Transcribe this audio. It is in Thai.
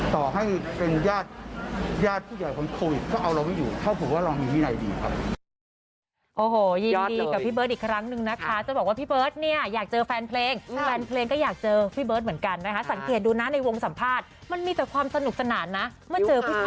ต่อให้เป็นญาติญาติผู้ใหญ่ความโควิดก็เอาเราไปอยู่